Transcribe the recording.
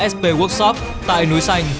sp workshop tại núi xanh